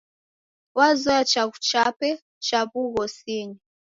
Wazoye chaghu chape cha w'ughosinyi.